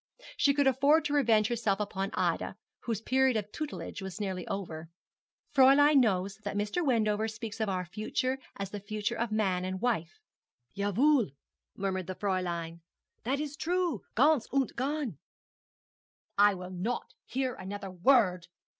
She could afford to revenge herself upon Ida, whose period of tutelage was nearly over. 'Fräulein knows that Mr. Wendover speaks of our future as the future of man and wife.' 'Ja wohl,' murmured the Fräulein, 'that is true; ganz und gan.' 'I will not hear another word!'